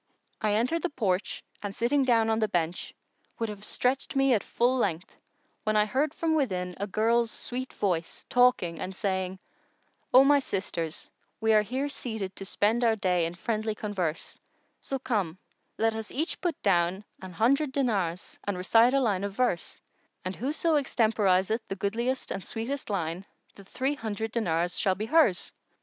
I entered the porch and sitting down on the bench, would have stretcht me at full length when I heard from within a girl's sweet voice talking and saying:—O my sisters, we are here seated to spend our day in friendly converse; so come, let us each put down an hundred dinars and recite a line of verse; and whoso extemporiseth the goodliest and sweetest line, the three hundred dinars shall be hers."